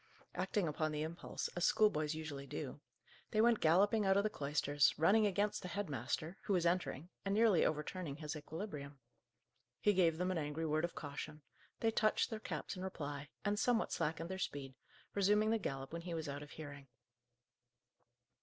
Acting upon the impulse, as schoolboys usually do, they went galloping out of the cloisters, running against the head master, who was entering, and nearly overturning his equilibrium. He gave them an angry word of caution; they touched their caps in reply, and somewhat slackened their speed, resuming the gallop when he was out of hearing.